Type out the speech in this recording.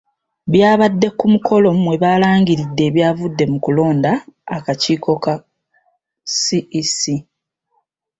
Byabadde ku mukolo mwe balangiriridde ebyavudde mu kulonda akakiiko ka CEC.